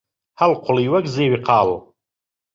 هەڵقوڵی وەک زیوی قاڵ